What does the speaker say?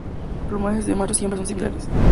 Los plumajes de machos y hembras son similares.